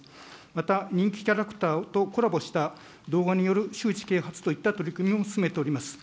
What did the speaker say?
また人気キャラクターとコラボした動画による周知啓発といった取り組みも進めております。